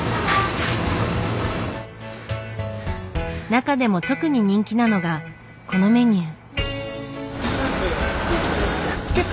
中でも特に人気なのがこのメニュー。